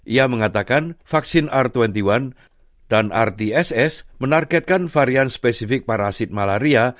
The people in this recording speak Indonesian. ia mengatakan vaksin r dua puluh satu dan rtss menargetkan varian spesifik parasit malaria